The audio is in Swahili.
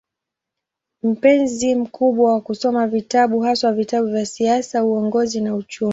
Mpenzi mkubwa wa kusoma vitabu, haswa vitabu vya siasa, uongozi na uchumi.